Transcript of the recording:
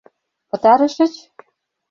— Пытарышыч?